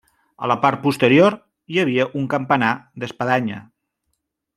A la part posterior hi havia un campanar d'espadanya.